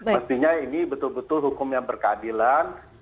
mestinya ini betul betul hukum yang berkeadilan